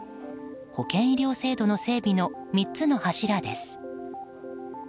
保険医療制度の整備の３つの柱です。